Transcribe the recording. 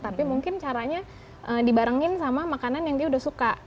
tapi mungkin caranya dibarengin sama makanan yang dia udah suka